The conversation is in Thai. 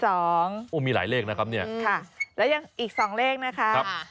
โอ้โหมีหลายเลขนะครับเนี่ยค่ะแล้วยังอีกสองเลขนะครับ